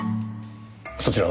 そちらは？